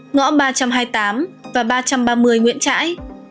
ngõ ba trăm hai mươi tám và ba trăm ba mươi nguyễn trãi